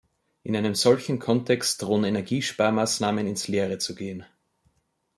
In einem solchen Kontext drohen Energiesparmaßnahmen ins Leere zu gehen.